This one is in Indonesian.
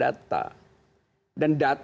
dan data yang di brief dengan data